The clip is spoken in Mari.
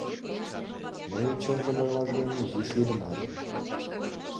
Мый, чынжым ойлаш гын, изиш лӱдымат.